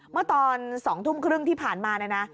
เมื่อสองทุ่มครึ่งที่ผ่านมา